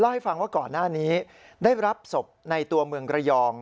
ให้ฟังว่าก่อนหน้านี้ได้รับศพในตัวเมืองระยอง